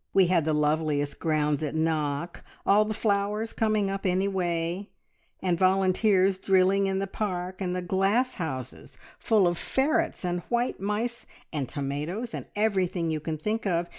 We had the loveliest grounds at Knock, all the flowers coming up anyway, and volunteers drilling in the park, and the glass houses full of ferrets and white mice, and tomatoes, and everything you can think of.